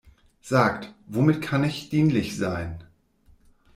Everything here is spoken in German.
Sagt, womit kann ich dienlich sein?